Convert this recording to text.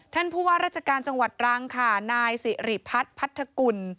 ท่านผู้ว่าราชการจังหวัดตรังค่ะนายสิริพัฒน์พัทธกุล